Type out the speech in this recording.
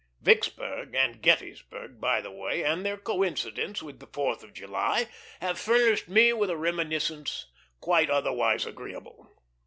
Vicksburg and Gettysburg, by the way, and their coincidence with the Fourth of July, have furnished me with a reminiscence quite otherwise agreeable.